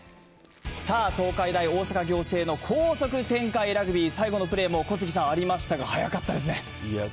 さあ、東海大大阪仰星の高速展開ラグビー、最後のプレーも小杉さん、ありましたが、速かったですね。